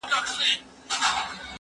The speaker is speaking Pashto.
زه پرون ليکنې کوم؟